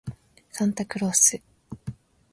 サンタクロース